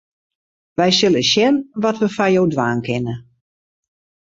Wy sille sjen wat we foar jo dwaan kinne.